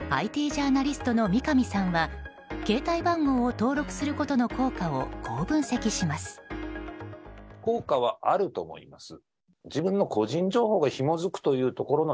ＩＴジャーナリストの三上さんは携帯番号を登録することの効果をこう分析します。